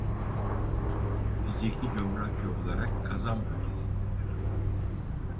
Fiziki coğrafya olarak Kazan Bölgesi'nde yer alır.